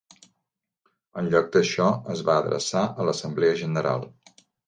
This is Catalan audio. En lloc d'això, es va adreçar a l'Assemblea General.